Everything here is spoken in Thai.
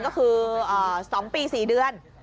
ก็คือ๒ปี๔เดือน